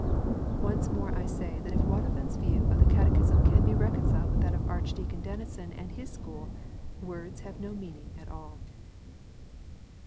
Once more I say that if Waterland s view of the Catechism can be reconciled with that of Archdeacon Denison and his school, words have no meaning at all.